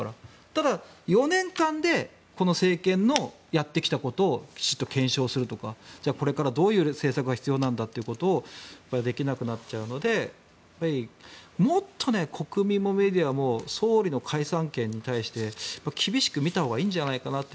ただ、４年間でこの政権のやってきたことをきちっと検証するとかこれからどういう政策が必要なんだということができなくなってしまうのでもっと国民もメディアも総理の解散権に対して厳しく見たほうがいいんじゃないかなと。